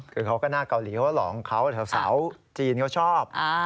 คือเขาก็หน้าเกาหลีเขาหลองเขาสาวจีนเขาชอบ